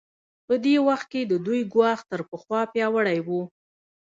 په دې وخت کې د دوی ګواښ تر پخوا پیاوړی و.